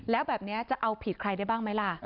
แล้วแบบนี้จะเอาผิดใครได้บ้างไหมล่ะ